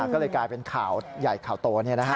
ก็เลยกลายเป็นข่าวใหญ่ข่าวโตนี้นะครับ